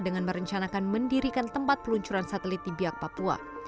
dengan merencanakan mendirikan tempat peluncuran satelit di biak papua